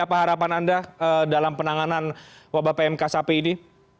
apa harapan anda dalam penanganan wabah pmk sapi ini